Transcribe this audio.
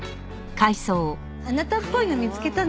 あなたっぽいの見つけたの。